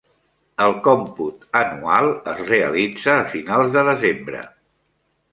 El còmput anual es realitza a finals de desembre.